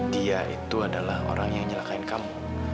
dia itu adalah orang yang nyelakain kamu